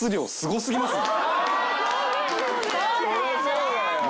そうだよね。